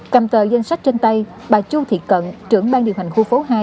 cầm tờ danh sách trên tay bà chu thị cận trưởng ban điều hành khu phố hai